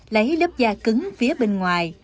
lấy lớp da cứng phía bên ngoài